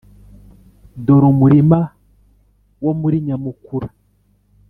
dore umurima wo muri nyamukura